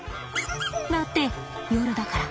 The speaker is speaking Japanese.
だって夜だから。